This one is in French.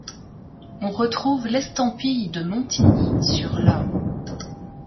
On retrouve l'estampille de Montigny sur l'un.